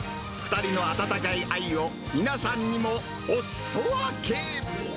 ２人の温かい愛を皆さんにもおすそ分け。